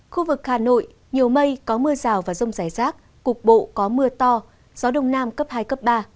khu vực hà nội nhiều mây có mưa rào và rông rải rác cục bộ có mưa to gió đông nam cấp hai cấp ba